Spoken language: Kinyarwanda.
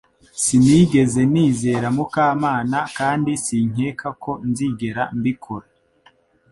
Sinigeze nizera Mukamana kandi sinkeka ko nzigera mbikora